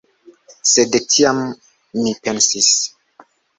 Sed tiam mi pensis: